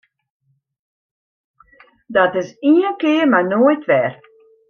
Dat is ien kear mar noait wer!